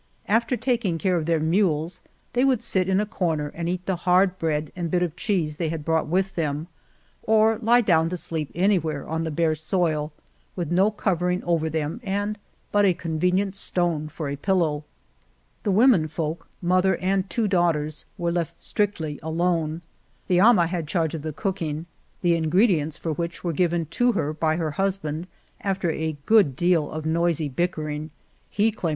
After taking care of their mules they would sit in a corner and eat the hard bread and bit of cheese they had brought with them, or lie down to sleep anywhere on the bare soil, with no covering over them and but a con venient stone for a pillow. The women folk, mother and two daugh ters, were left strictly alone. The ama had charge of the cooking, the ingredients for which were given to her by her husband after a good deal of noisy bickering, he claim 36 Argamasilla DON RODRIGO DE PACHECO. From the painting in the Church of Argamasilla.